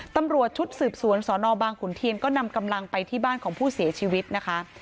ตำรวจชุดสืบสวนสนบางขุนเทียนก็นำกำลังไปที่บ้านของผู้เสียชีวิตนะคะ